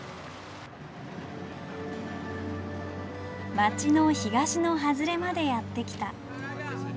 街の東の外れまでやって来た。